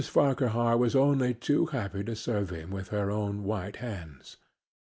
Farquhar was only too happy to serve him with her own white hands.